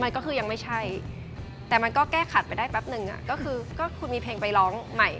มันก็คือยังไม่ใช่แต่มันก็แก้ขัดไปได้แป๊บนึงก็คือก็คุณมีเพลงไปร้องใหม่